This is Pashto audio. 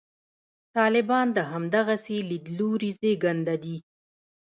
طالبان د همدغسې لیدلوري زېږنده دي.